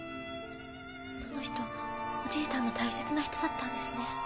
その人おじいさんの大切な人だったんですね。